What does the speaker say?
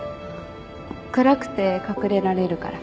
暗くて隠れられるから。